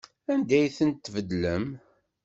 Anda ay tent-tbeddlem?